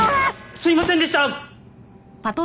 すいませんでした。